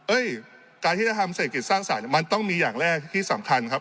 การที่จะทำเศรษฐกิจสร้างสรรค์มันต้องมีอย่างแรกที่สำคัญครับ